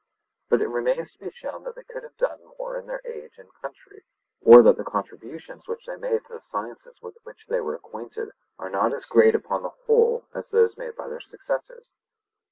But it remains to be shown that they could have done more in their age and country; or that the contributions which they made to the sciences with which they were acquainted are not as great upon the whole as those made by their successors.